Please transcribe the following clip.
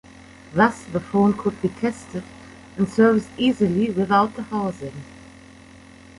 Thus, the phone could be tested and serviced easily without the housing.